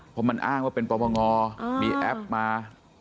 เพราะมันอ้างว่าเป็นปปงมีแอปมา